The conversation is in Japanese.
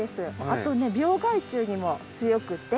あとね病害虫にも強くて。